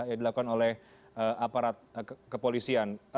yang dilakukan oleh aparat kepolisian